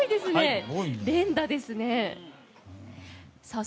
連打ですね！